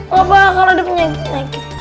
gak bakal ada penyakit penyakit